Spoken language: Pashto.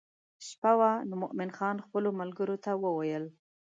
شپه وه نو مومن خان خپلو ملګرو ته وویل.